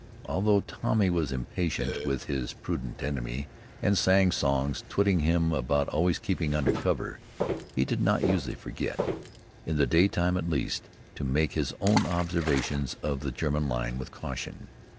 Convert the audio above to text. Although Tommy was impatient with his prudent enemy and sang songs, twitting him about always keeping under cover, he did not usually forget, in the daytime at least, to make his own observations of the German line with caution.